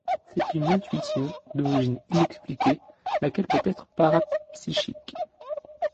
C'est une intuition d'origine inexpliquée, laquelle peut être parapsychique.